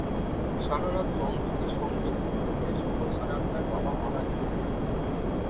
সারা রাত যমদূতের সঙ্গে যুদ্ধ করে সকাল সাড়ে আটটায় বাবা মারা গেলেন।